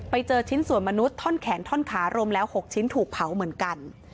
ไปเจอชิ้นส่วนมนุษย์ท่อนแขนท่อนขารวมแล้ว๖ชิ้นถูกเผาเหมือนกัน